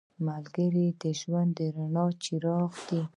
ملګری د ژوند د رڼا څراغ دی